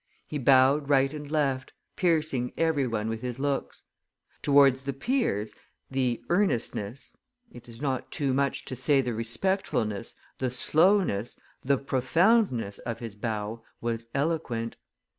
He bowed right and left, piercing every one with his looks. Towards the peers, the earnestness, it is not too much to say the respectfulness, the slowness, the profoundness of his bow was eloquent.